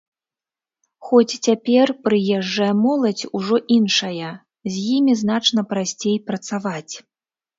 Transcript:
Хоць цяпер прыезджая моладзь ужо іншая, з імі значна прасцей працаваць.